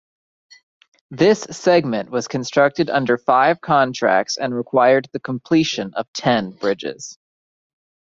This segment was constructed under five contracts and required the completion of ten bridges.